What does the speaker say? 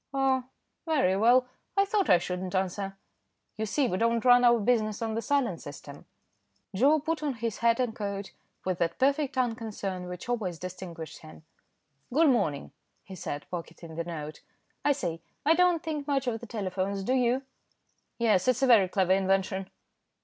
"Oh! very well. I thought I shouldn't answer." "You see, we don't run our business on the silent system." Joe put on his hat and coat, with that perfect unconcern which always distinguished him. "Good morning," he said, pocketing the note. "I say, I don't think much of telephones, do you?" "Yes, it's a very clever invention."